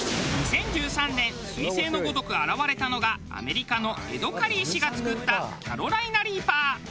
２０１３年彗星のごとく現れたのがアメリカのエド・カリー氏が作ったキャロライナ・リーパー。